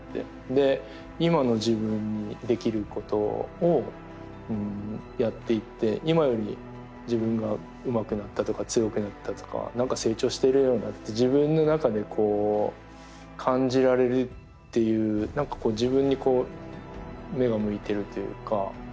で今の自分にできることをやっていって今より自分がうまくなったとか強くなったとか何か成長しているようだって自分の中で感じられるっていう何か自分に目が向いているというかっていうところがあって。